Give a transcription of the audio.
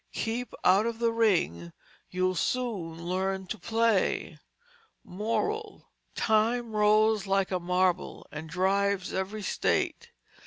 Keep out of the Ring, You'll soon learn to Play. MORAL "Time rolls like a Marble, And drives every State.